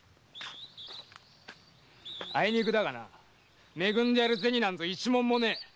あいにくだがな恵んでやる銭なんぞ一文もねえ！